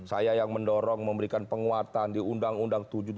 saya yang mendorong memberikan penguatan di undang undang tujuh